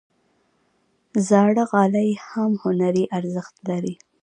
زاړه غالۍ هم هنري ارزښت لري.